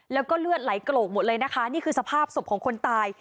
แล้วก็เลือดไหลโกลกหมดเลยนะคะนี่คือสภาพศพของคนตาย